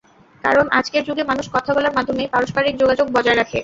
কারণ, আজকের যুগে মানুষ কথা বলার মাধ্যমেই পারস্পরিক যোগাযোগ বজায় রাখে।